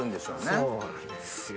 そうなんですよ。